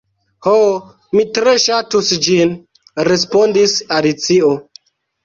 "Ho, mi tre ŝatus ĝin," respondis Alicio.